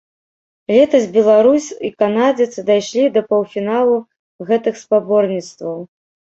Летась беларус і канадзец дайшлі да паўфіналу гэтых спаборніцтваў.